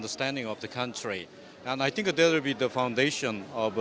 dalam pengembangan hubungan